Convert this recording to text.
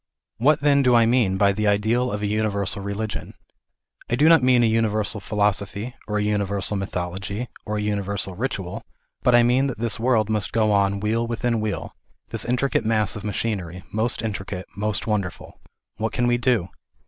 What then do I mean by the ideal of a universal relig ion ? I do not mean a universal philosophy, or a universal mythology, or a universal ritual, but I mean that this world must go on wheel within wheel, this intricate mass of machinery, most intricate, most wonderful. What can we do